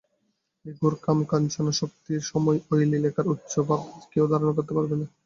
এই ঘোর কাম-কাঞ্চনাসক্তির সময় ঐ লীলার উচ্চ ভাব কেউ ধারণা করতে পারবে না।